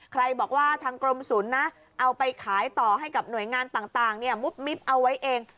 ใครบอกว่าทางกรมศูนย์นะเอาไปขายต่อให้กับหน่วยงานต่างมุบมิบเอาไว้เอง